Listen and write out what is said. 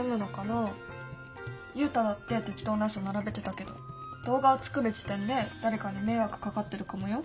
ユウタだって適当なうそ並べてたけど動画を作る時点で誰かに迷惑かかってるかもよ？